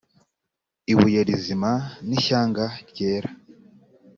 ibuye rizima n ishyanga ryera